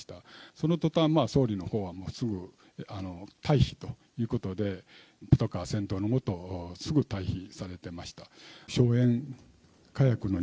そのとたん、総理のほうはすぐ退避ということで、パトカー先導の下、すぐ退避されてました。